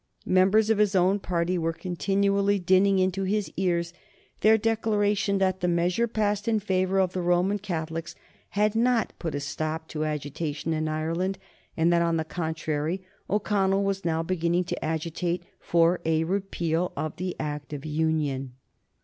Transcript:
Members of his own party were continually dinning into his ears their declaration that the measure passed in favor of the Roman Catholics had not put a stop to agitation in Ireland, and that, on the contrary, O'Connell was now beginning to agitate for a repeal of the Act of Union.